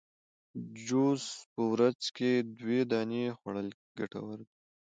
جوز په ورځ کي دوې دانې خوړل ګټور دي